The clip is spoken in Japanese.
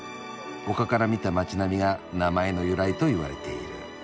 丘から見た街並みが名前の由来といわれている」。